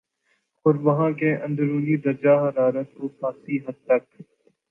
اور وہاں کے اندرونی درجہ حرارت کو خاصی حد تک